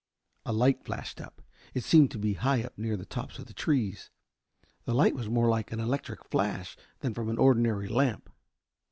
A light flashed up. It seemed to be high up near the tops of the trees. The light was more like an electric flash than that from an ordinary lamp.